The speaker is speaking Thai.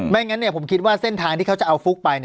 งั้นผมคิดว่าเส้นทางที่เขาจะเอาฟุ๊กไป